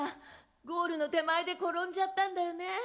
ゴールの手前で転んじゃったんだよね。